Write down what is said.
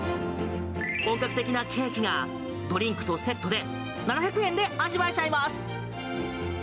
本格的なケーキがドリンクとセットで７００円で味わえちゃいます！